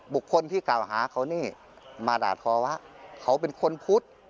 บุคคลที่กล่าวหาเขานี่มาด่าทอว่าเขาเป็นคนพุทธ